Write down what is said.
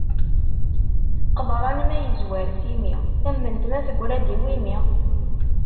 Qeḍran ma yezwer s imi, tament ma teggra-d i wumi.